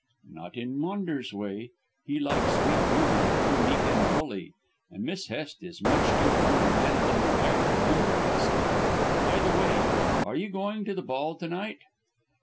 "Not in Maunders' way. He likes a weak woman, whom he can bully; and Miss Hest is much too firm and managing a wife for him to risk. By the way, are you going to the ball to night?"